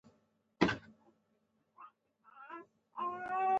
دې عنوان هم دې ته اړيستم چې ،چې لوستلو ته ادامه ورکړم.